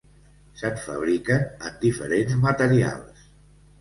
Se'n fabriquen en diferents materials.